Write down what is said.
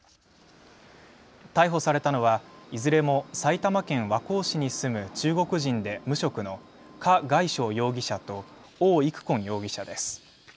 逮捕されたのは、いずれも埼玉県和光市に住む中国人で無職の何凱捷容疑者と王育坤容疑者です。